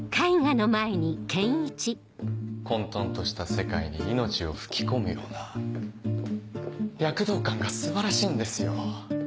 混沌とした世界に命を吹き込むような躍動感が素晴らしいんですよ。